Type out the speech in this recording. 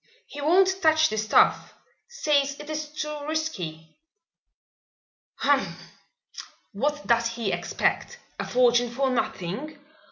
He won't touch the stuff says it is too risky." "Humph! What does he expect? A fortune for nothing?